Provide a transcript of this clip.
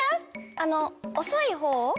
あのおそいほう？